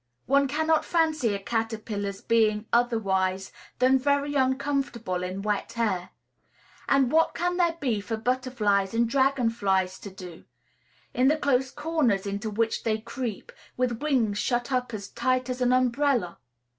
One cannot fancy a caterpillar's being otherwise than very uncomfortable in wet hair; and what can there be for butterflies and dragon flies to do, in the close corners into which they creep, with wings shut up as tight as an umbrella?